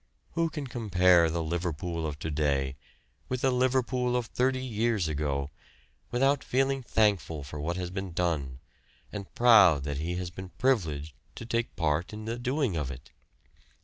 Who can compare the Liverpool of to day with the Liverpool of thirty years ago without feeling thankful for what has been done, and proud that he has been privileged to take part in the doing of it?